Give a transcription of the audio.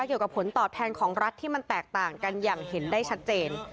เกี่ยวกับผลตอบแทนของรัฐที่มันแตกต่างกันอย่างเห็นได้ชัดเจน